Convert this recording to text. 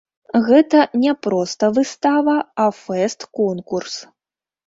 Гэта не проста выстава, а фэст-конкурс.